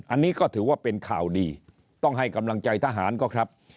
อันนี้ก็ถือว่าเป็นข่าวดีต้องให้กำลังใจทหารก็ครับ